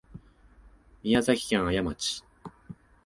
宮崎県綾町